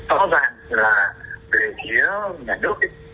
rõ ràng là về thế nhà nước